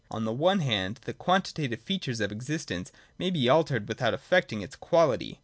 On the one hand, the quantitative features of existence may be altered, without affecting its quality.